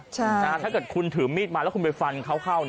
ถ้าเกิดคุณถือมีดมาแล้วคุณไปฟันเขาเข้า